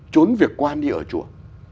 chốn việc quan đi ở chùa